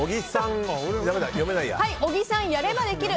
小木さん、やればできる。